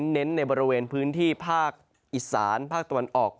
เน้นในบริเวณพื้นที่ภาคอีสานภาคตะวันออก